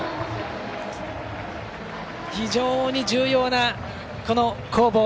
非常に重要な、この攻防。